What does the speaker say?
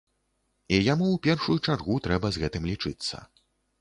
І яму ў першую чаргу трэба з гэтым лічыцца.